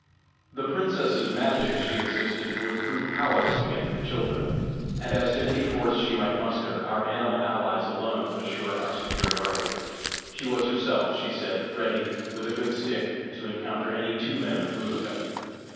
The princess's magic, she insisted, would prove powerless against the children; and as to any force she might muster, our animal allies alone would assure our superiority: she was herself, she said, ready, with a good stick, to encounter any two men of Bulika.